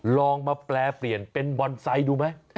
ลองมาแปลเปลี่ยนเป็นบอนไซต์ดูไหม